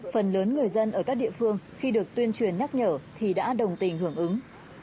phần lớn người dân ở các địa phương khi được tuyên truyền nhắc nhở thì đã đồng tình hưởng ứng